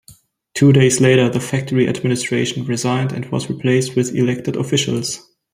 Two days later the factory administration resigned and was replaced with elected officials.